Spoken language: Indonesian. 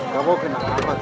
gak mau kenapa cepat